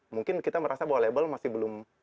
mungkin kita merasa bahwa label masih belum